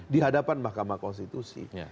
di hadapan mahkamah konstitusi